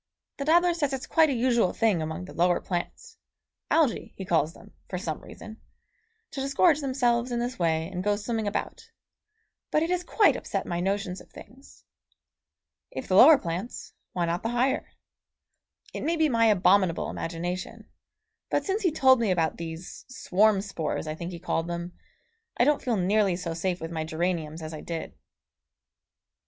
The dabbler says it's quite a usual thing among the lower plants Algæ he calls them, for some reason to disgorge themselves in this way and go swimming about; but it has quite upset my notions of things. If the lower plants, why not the higher? It may be my abominable imagination, but since he told me about these swarm spores I think he called them I don't feel nearly so safe with my geraniums as I did.